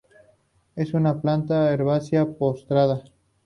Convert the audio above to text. Es una planta herbácea postrada.